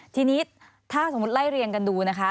ทีนี้ถ้าสมมุติไล่เรียงกันดูนะคะ